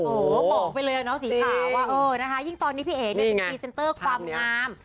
บอกไปเลยนะสีขาว่าเออนะคะยิ่งตอนนี้พี่เอ๋พีเซนเตอร์ความงาม